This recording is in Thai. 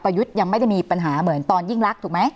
ยุทธ์ยังไม่ได้มีปัญหาเหมือนตอนยิ่งรักถูกไหม